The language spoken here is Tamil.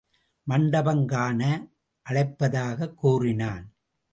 மண்டபம் காண அழைப்பதாகக் கூறினான்.